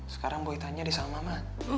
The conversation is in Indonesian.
sekarang boy tanya deh sama mama